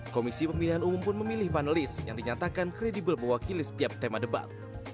komisi pemilihan umum pun memilih panelis yang dinyatakan kredibel mewakili setiap tema debat